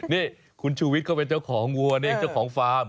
นี่คุณชูวิทย์ก็เป็นเจ้าของวัวนี่เจ้าของฟาร์ม